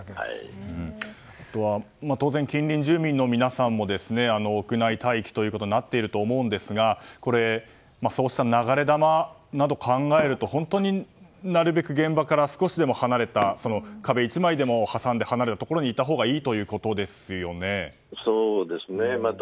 近隣住民の皆さんも屋内待機ということになっていると思うんですがそうした流れ弾など考えると本当になるべく現場から少しでも離れた壁１枚でも挟んで離れたところにいたほうがいいということですよね。